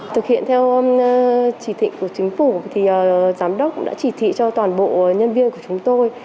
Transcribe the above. thực hiện theo chỉ thị của chính phủ thì giám đốc đã chỉ thị cho toàn bộ nhân viên của chúng tôi